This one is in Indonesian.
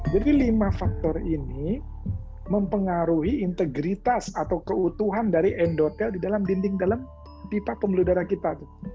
jadi lima faktor ini mempengaruhi integritas atau keutuhan dari endotel di dalam dinding dalam pipa pembuluh darah kita